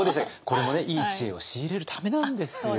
これもいい知恵を仕入れるためなんですよ。